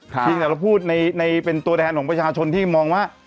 เพียงแต่เราพูดในเป็นตัวแทนของประชาชนที่มองว่า